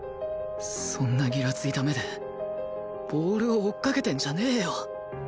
そんなギラついた目でボールを追っかけてんじゃねえよ